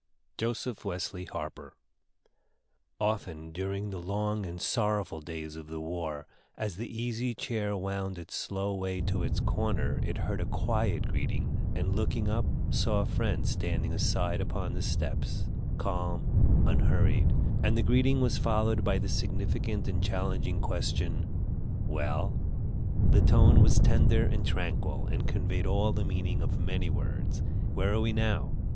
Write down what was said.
JOSEPH WESLEY HARPER Often during the long and sorrowful days of the war, as the Easy Chair wound its slow way to its corner, it heard a quiet greeting, and, looking up, saw a friend standing aside upon the steps, calm, unhurried, and the greeting was followed by the significant and challenging question, "Well?" The tone was tender and tranquil, and conveyed all the meaning of many words: "Where are we now?